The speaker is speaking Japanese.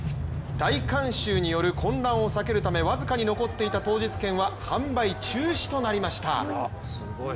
大観衆による、混乱を避けるため僅かに残っていた当日券は販売中止となりました。